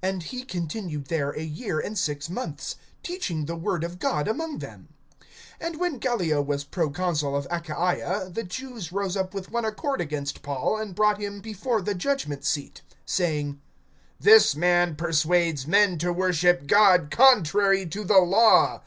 (11)And he continued there a year and six months, teaching the word of God among them. (12)And when Gallio was proconsul of Achaia, the Jews rose up with one accord against Paul, and brought him before the judgment seat, (13)saying: This man persuades men to worship God contrary to the law.